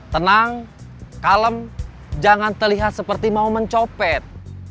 tenang kalem jangan terlihat seperti mau mencopet